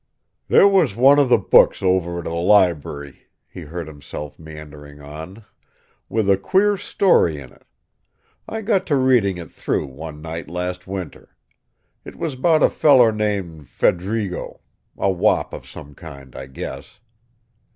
"There was one of the books over to the lib'ry," he heard himself meandering on, "with a queer story in it. I got to reading it through, one night last winter. It was about a feller named 'Fed'rigo.' A wop of some kind, I guess.